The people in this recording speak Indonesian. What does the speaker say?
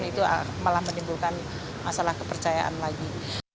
itu malah menimbulkan masalah kepercayaan lagi